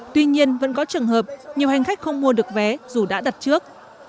tuy nhiên vẫn có trường hợp nhiều hành khách không mua được vé dù đã đặt trước